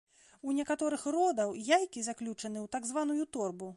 У некаторых родаў яйкі заключаны ў так званую торбу.